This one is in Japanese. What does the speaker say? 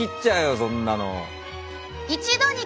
そんなの。